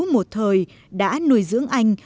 một thời đã nuôi dưỡng anh